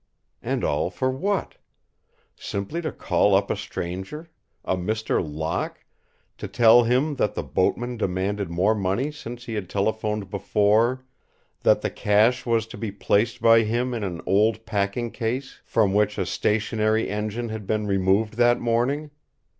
And all for what? Simply to call up a stranger, a Mr. Locke, to tell him that the boatman demanded more money since he had telephoned before, that the cash was to be placed by him in an old packing case from which a stationary engine had been removed that morning.